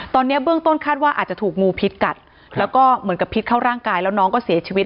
ตอนนี้เบื้องต้นคาดว่าอาจจะถูกงูพิษกัดแล้วก็เหมือนกับพิษเข้าร่างกายแล้วน้องก็เสียชีวิต